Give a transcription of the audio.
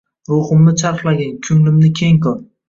Ruhimni charxlagin, ko‘nglimni keng qil.